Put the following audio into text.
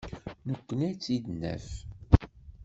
Nekkni ad tt-id-naf.